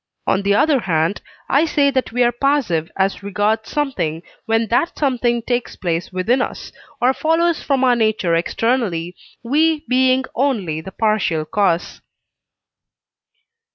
On the other hand, I say that we are passive as regards something when that something takes place within us, or follows from our nature externally, we being only the partial cause.